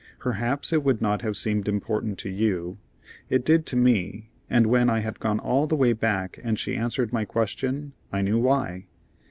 Perhaps it would not have seemed important to you. It did to me, and when I had gone all the way back and she answered my question, I knew why.